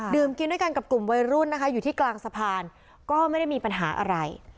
กินด้วยกันกับกลุ่มวัยรุ่นนะคะอยู่ที่กลางสะพานก็ไม่ได้มีปัญหาอะไร